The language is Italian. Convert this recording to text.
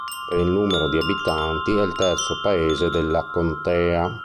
Per numero di abitanti è il terzo paese della contea.